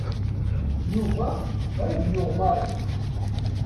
Yuba qrib yuɣ Mary.